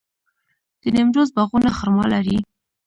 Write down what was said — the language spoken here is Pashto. د نیمروز باغونه خرما لري.